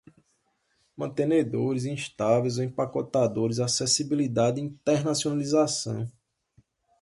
mantenedores, instável, empacotadores, acessibilidade e internacionalização